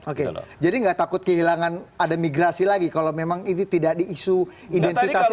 oke jadi gak takut kehilangan ada migrasi lagi kalau memang itu tidak diisu identitasnya tidak dikawal